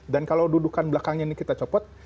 dan kalau dudukan belakangnya ini kita copot